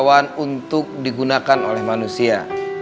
semua makanan dan makanan yang diperoleh oleh manusia